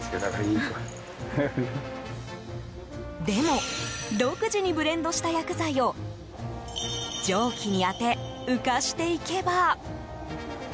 でも、独自にブレンドした薬剤を蒸気に当て浮かしていけば。